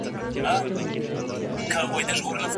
هوغه انار دي .